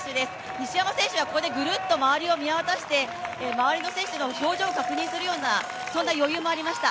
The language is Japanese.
西山選手はここでぐるっと周りを見渡して周りの選手の様子を確認するようなそんな余裕もありました。